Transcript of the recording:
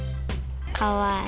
かわいい。